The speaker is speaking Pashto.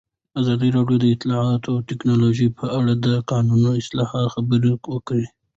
ازادي راډیو د اطلاعاتی تکنالوژي په اړه د قانوني اصلاحاتو خبر ورکړی.